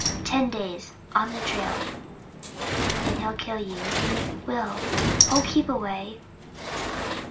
Ten days! On the trail! And he'll kill you, Will! Oh, keep away!"